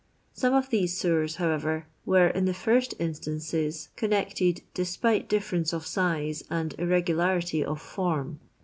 Some of these sewers, however, were ill the iir^t instances connected, despite ditference of sise and irregularity of form.